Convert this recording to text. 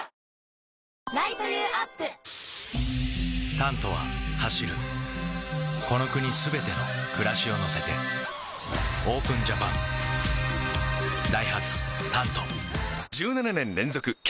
「タント」は走るこの国すべての暮らしを乗せてＯＰＥＮＪＡＰＡＮダイハツ「タント」１７年連続軽